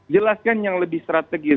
jelaskan yang lebih strategis